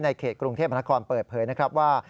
ในเขตกรุงเทพมหาคอนตอนนี้เปิดเผยนะครับว่า